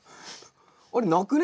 あれなくね？